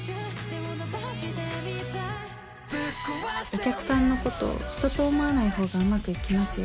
お客さんのこと人と思わない方がうまくいきますよ。